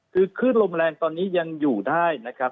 คือคลื่นลมแรงตอนนี้ยังอยู่ได้นะครับ